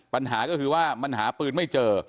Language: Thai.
ปัญหาก็คือว่ามันหาปืนไม่เจอ